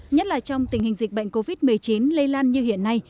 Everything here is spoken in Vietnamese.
nhất là trong tình hình dịch bệnh covid một mươi chín lây lan như hiện nay